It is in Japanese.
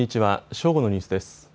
正午のニュースです。